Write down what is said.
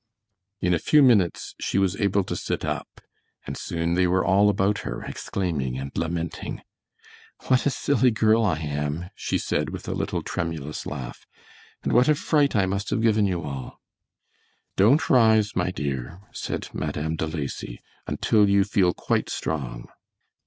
In a few minutes she was able to sit up, and soon they were all about her, exclaiming and lamenting. "What a silly girl I am," she said, with a little tremulous laugh, "and what a fright I must have given you all!" "Don't rise, my dear," said Madame De Lacy, "until you feel quite strong."